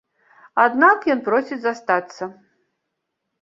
Аднак ён просіць застацца.